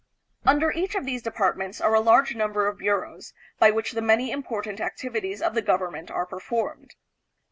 Under each of these depart ments are a large number of bureaus, by which the many important activities of the government are performed.